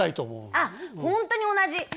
あっ本当に同じ！